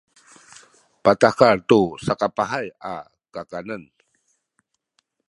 patahekal tu sakapahay a kakanen